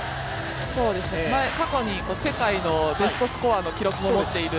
過去に世界のベストスコアの記録も持っている。